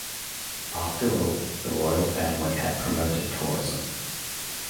After all, the royal family had promoted tourism.